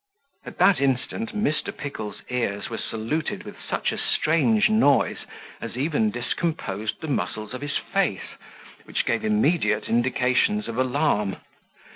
At that instant, Mr. Pickle's ears were saluted with such a strange noise, as even discomposed the muscles of his face, which gave immediate indications of alarm.